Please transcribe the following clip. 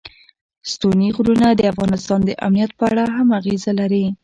ستوني غرونه د افغانستان د امنیت په اړه هم اغېز لري.